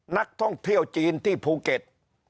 นักท่องเที่ยวจีนที่ภูเก็ต